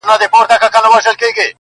ولیکه اسمانه د زمان حماسه ولیکه٫